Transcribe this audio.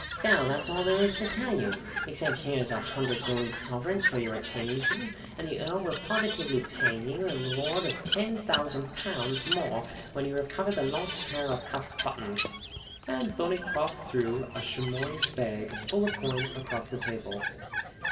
"So that's all there is to tell you, except that here's a hundred gold sovereigns for your retaining fee, and the Earl will positively pay you a reward of ten thousand pounds more when you recover the lost pair of cuff buttons." And Thorneycroft threw a chamois bag, full of coins, across the table.